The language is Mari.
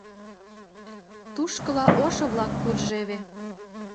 Тушкыла ошо-влак куржеве.